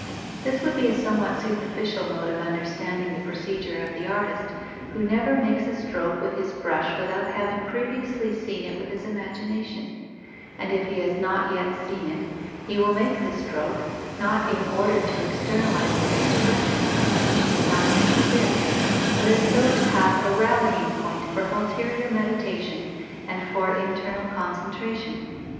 This would be a somewhat superficial mode of understanding the procedure of the artist, who never makes a stroke with his brush without having previously seen it with his imagination; and if he has not yet seen it, he will make the stroke, not in order to externalize his expression (which does not yet exist), but as though to have a rallying point for ulterior meditation and for internal concentration.